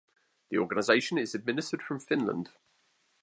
The organization is administered from Finland.